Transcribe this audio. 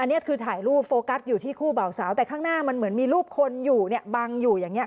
อันนี้คือถ่ายรูปโฟกัสอยู่ที่คู่เบาสาวแต่ข้างหน้ามันเหมือนมีรูปคนอยู่เนี่ยบังอยู่อย่างนี้